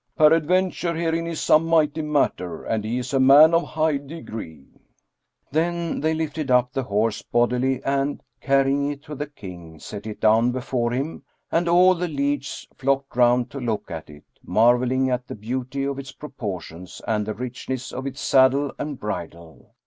Peradventure herein is some mighty matter, and he is a man of high degree." Then they lifted up the horse bodily and, carrying it to the King, set it down before him, and all the lieges flocked round to look at it, marvelling at the beauty of its proportions and the richness of its saddle and bridle.